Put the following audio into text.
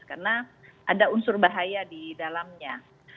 karena ada unsur bahaya di dalamnya